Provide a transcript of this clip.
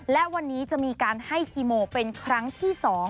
และวันนี้จะมีการให้คีโมเป็นครั้งที่๒